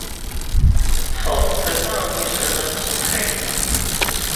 Ṭṭfeɣ-d tlata n yiselman ṣṣbeḥ-agi.